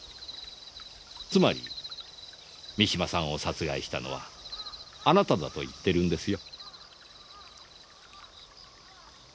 つまり三島さんを殺害したのはあなただと言ってるんですよ。